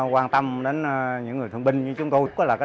quan tâm đến những người thương binh như chúng tôi